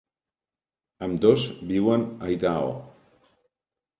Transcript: Ambdós viuen a Idaho.